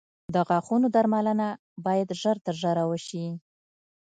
د غاښونو درملنه باید ژر تر ژره وشي.